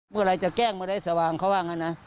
เมื่อไหร่จะแกล้งเมื่อไหร่สว่างเขาว่างอย่างนั้นนะ